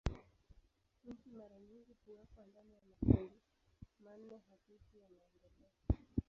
Nchi mara nyingi huwekwa ndani ya makundi manne hafifu ya maendeleo.